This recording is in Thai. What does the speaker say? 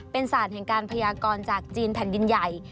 เป็นศาสตร์แห่งการพยากรจากจีนแผ่นดินใหญ่